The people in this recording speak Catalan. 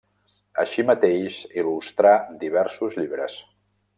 Així mateix il·lustrà diversos llibres.